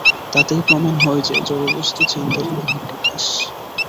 তাতেই প্রমাণ হয় যে, জড়বস্তু চিন্তারই বহিঃপ্রকাশ।